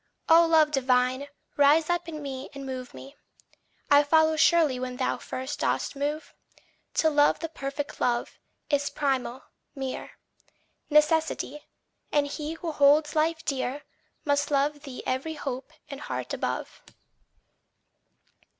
O Love divine, rise up in me and move me I follow surely when thou first dost move. To love the perfect love, is primal, mere Necessity; and he who holds life dear, Must love thee every hope and heart above.